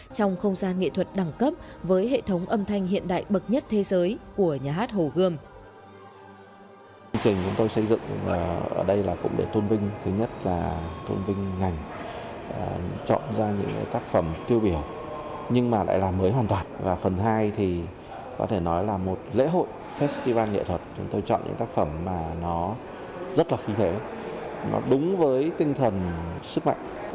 trong không gian nghệ thuật đẳng cấp với hệ thống âm thanh hiện đại bậc nhất thế giới của nhà hát hồ gươm